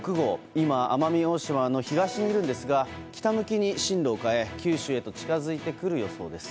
今、奄美大島の東にいるんですが北向きに進路を変え、九州へと近づいてくる予想です。